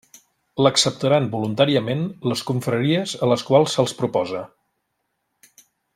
L'acceptaran voluntàriament les confraries a les quals se'ls propose.